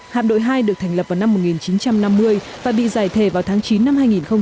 hạm đội hai được thành lập vào năm một nghìn chín trăm năm mươi và bị giải thể vào tháng chín năm hai nghìn một mươi